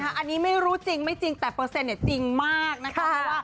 อันนี้ไม่รู้จริงไม่จริงแต่เปอร์เซ็นต์จริงมากนะคะเพราะว่า